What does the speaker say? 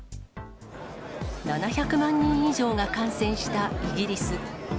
７００万人以上が感染したイギリス。